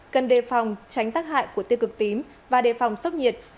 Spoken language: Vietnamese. cần đề phòng tránh tác hại của tiêu cực tím và đề phòng sốc nhiệt